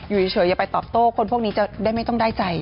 อยู่เฉยอย่าไปตอบโต้คนพวกนี้จะได้ไม่ต้องได้ใจ